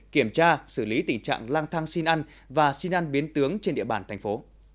kiểm tra xử lý tình trạng lang thang xin ăn và xin ăn biến tướng trên địa bàn thành phố